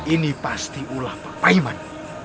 ini pasti ulah papa iman